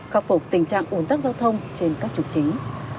khắc phục tình trạng ồn tắc giao thông trên các trục chính